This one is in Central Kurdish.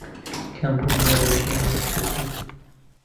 کەمبوونی رێژەی میزکردن